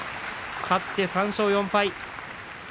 勝って３勝４敗。